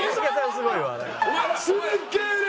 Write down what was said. すごいわ」